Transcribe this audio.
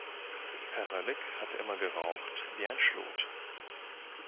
Herr Röllig hat immer geraucht wie ein Schlot.